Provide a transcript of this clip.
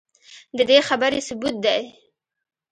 ددې خبرې ثبوت دے